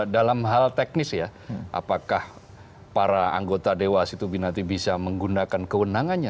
dalam hal teknis ya apakah para anggota dewa situ binati bisa menggunakan kewenangannya